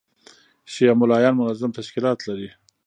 شیعه مُلایان منظم تشکیلات لري.